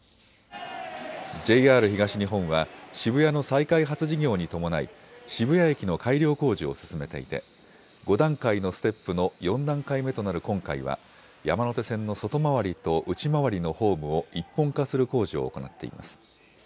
ＪＲ東日本は渋谷の再開発事業に伴い、渋谷駅の改良工事を進めていて５段階のステップの４段階目となる今回は山手線の外回りと内回りのホームを一本化する工事を行っています。